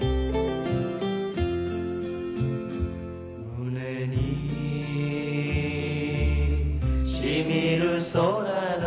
「胸にしみる空の